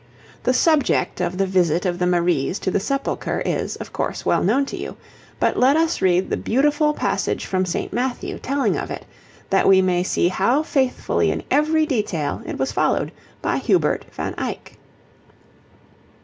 The subject of the visit of the Maries to the Sepulchre is, of course, well known to you, but let us read the beautiful passage from St. Matthew telling of it, that we may see how faithfully in every detail it was followed by Hubert van Eyck.